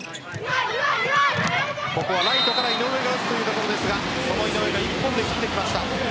ここはライトから井上が打つというところですがその井上が１本で切ってきました。